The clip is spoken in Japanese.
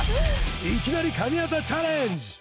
いきなり神業チャレンジ！